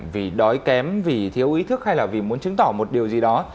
vì đói kém vì thiếu ý thức hay là vì muốn chứng tỏ một điều gì đó